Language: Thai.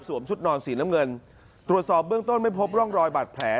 ชุดนอนสีน้ำเงินตรวจสอบเบื้องต้นไม่พบร่องรอยบาดแผล